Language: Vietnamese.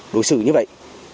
đối xử như vậy